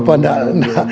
apa enggak enggak enggak